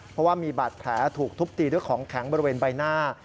เพราะว่ามีบาดแผลถูกทุบตีด้วยของแข็งบริเวณใบหน้า